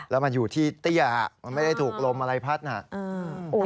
แล้วมันอยู่ที่เตี้ยมันไม่ได้ถูกลมอะไรพัดน่ะ